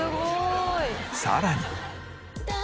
さらに。